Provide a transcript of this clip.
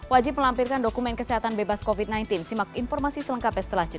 wajib melampirkan dokumen kesehatan bebas covid sembilan belas simak informasi selengkapnya setelah jeda